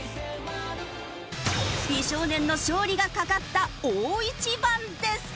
美少年の勝利が懸かった大一番です。